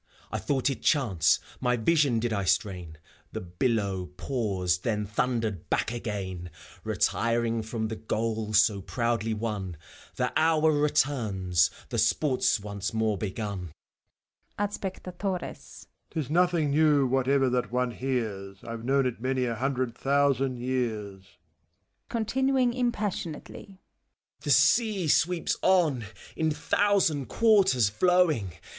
I thought it chance, my vision did I strain ; The billow paused, then thundered back again, Retiring from the goal so proudly won : The hour returns, the sport's once more begun. MEPHISTOPHELES (od spectatores) , 'T is nothing new whatever that one hears ; I've known it many a hundred thousand years. FAUST ( continuing impassio nedly ). The Sea sweeps on, in thousand quarters flowing.